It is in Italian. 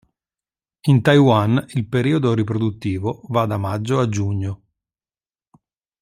In Taiwan il periodo riproduttivo va da maggio a giugno.